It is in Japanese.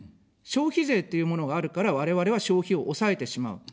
消費税っていうものがあるから、我々は消費を抑えてしまう。